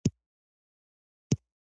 افغانستان له پسرلی ډک دی.